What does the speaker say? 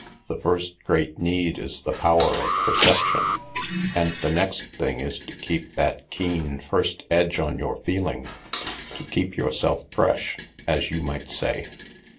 The first great need is the power of perception. And the next thing is to keep that keen first edge on your feeling — to keep yourself fresh, as you might say.